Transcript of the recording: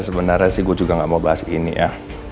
sebenarnya resi gue juga gak mau bahas ini ya